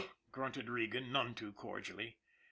" grunted Regan, none too cordially.